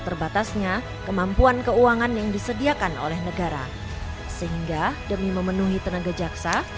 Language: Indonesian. terbatasnya kemampuan keuangan yang disediakan oleh negara sehingga demi memenuhi tenaga jaksa